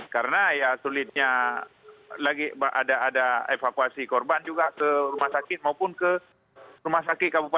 karena ya sulitnya lagi ada evakuasi korban juga ke rumah sakit maupun ke rumah sakit kabupaten